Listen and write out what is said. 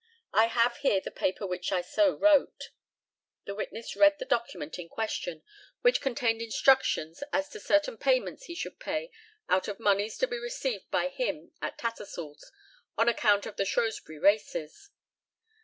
I have here the paper which I so wrote. [The witness read the document in question, which contained instructions as to certain payments he should pay out of moneys to be received by him at Tattersall's, on account of the Shrewsbury races.